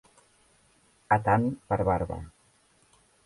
A tant per barba.